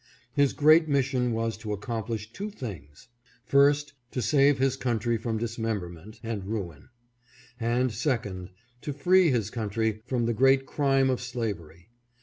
His great mission was to accom plish two things: first, to save his country from dismem berment and ruin ; and second, to free his country from the great crime of slavery.